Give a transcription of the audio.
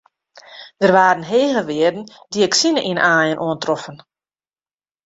Der waarden hege wearden dioksine yn de aaien oantroffen.